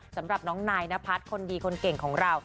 สำหรับน้องนายนพัฒน์คนดีคนเก่งของเรา